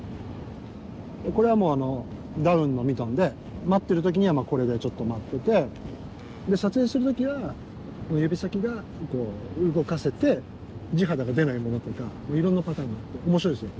これはダウンのミトンで待ってる時にはこれで待ってて撮影する時は指先が動かせて地肌が出ないものとかいろんなパターンがあって面白いですよ